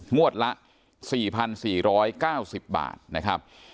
งวดละ๔๔๙๐บาทนะครับ